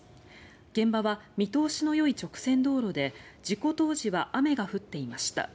現場は見通しのよい直線道路で事故当時は雨が降っていました。